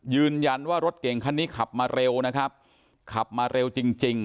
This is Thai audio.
รถเก่งคันนี้ขับมาเร็วนะครับขับมาเร็วจริงจริง